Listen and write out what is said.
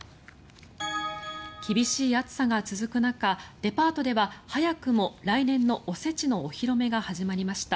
厳しい暑さが続く中デパートでは早くも来年のおせちのお披露目が始まりました。